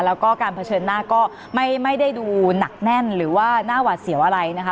แล้วก็การเผชิญหน้าก็ไม่ได้ดูหนักแน่นหรือว่าหน้าหวาดเสียวอะไรนะคะ